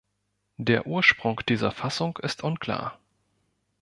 Der Ursprung dieser Fassung ist unklar.